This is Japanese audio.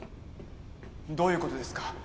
どういうことですか？